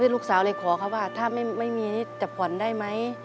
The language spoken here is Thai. ลูกสาวเลยขอเขาว่าถ้าไม่มีนี่จะผ่อนได้ไหม